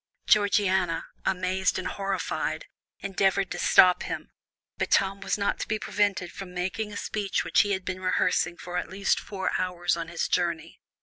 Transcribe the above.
Georgiana, amazed and horrified, endeavoured to stop him; but Tom was not to be prevented from making a speech which he had been rehearsing for at least four hours on his journey.